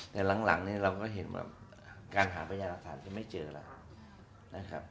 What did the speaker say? แต่หลังเราก็เห็นว่าการหาปัญญาณรัฐานยังไม่เจอแล้ว